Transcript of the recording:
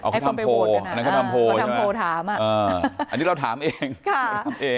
อ๋อเขาทำโพลดูนะอันนี้เราถามเอง